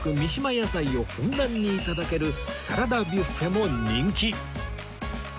野菜をふんだんに頂けるサラダビュッフェも人気